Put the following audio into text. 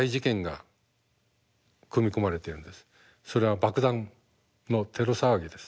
それは爆弾のテロ騒ぎです。